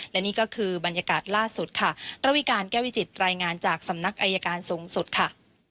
และนี่ก็คือบรรยากาศล่าสุดค่ะระวิการแก้วิจิตรายงานจากสำนักอายการสูงสุดค่ะ